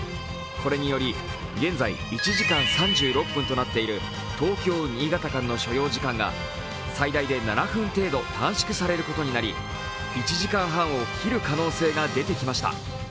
これにより現在１時間３６分となっている東京−新潟間の所要時間が最大で７分程度短縮されることになり１時間半を切る可能性が出てきました。